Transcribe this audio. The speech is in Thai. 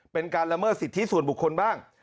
เป็นการละเมิดสิทธิส่วนบุคคลบ้าง